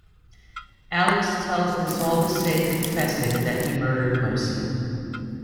Alex tells this all the same confessing that he murdered Mosi.